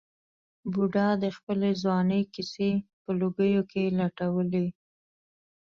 بوډا د خپلې ځوانۍ کیسې په لوګیو کې لټولې.